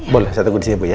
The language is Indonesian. boleh saya tunggu di sini bu